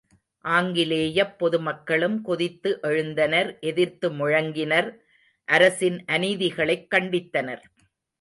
ஆங்கிலேயப் பொதுமக்களும் கொதித்து எழுந்தனர் எதிர்த்து முழங்கினர் அரசின் அநீதிகளைக் கண்டித்தனர்.